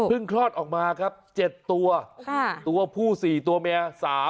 คลอดออกมาครับ๗ตัวตัวผู้๔ตัวเมีย๓